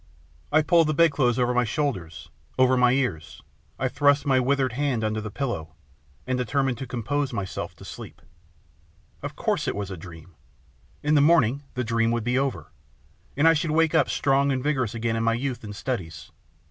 I pulled the bedclothes over my shoulders, over my ears, I thrust my withered hand under the pillow, and determined to compose myself to sleep. Of course it was a dream. In the morning the dream would be over, and I should wake up strong and vigorous again to my youth and studies.